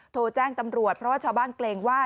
โทรแจ้งตำรวจเพราะว่าชาวบ้านเกรงว่า